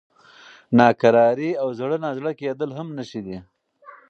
ناکراري او زړه نازړه کېدل هم نښې دي.